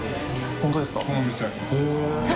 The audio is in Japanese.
本当ですか？